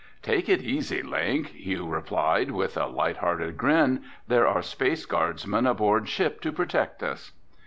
"Take it easy, Link," Hugh replied, with a lighthearted grin. "There are Space Guardsmen aboard ship to protect us."